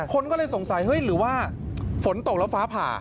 คนก็เลยสงสัยเฮ้ยหรือว่าฝนตกแล้วฟ้าผ่า